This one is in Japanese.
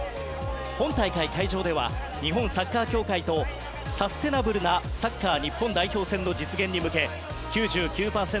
本大会会場では日本サッカー協会とサステナブルなサッカー日本代表戦の実現に向け９９％